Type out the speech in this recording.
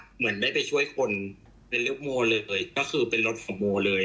เหมือนได้ไปช่วยคนเป็นลูกโมเลยก็คือเป็นรถของโมเลย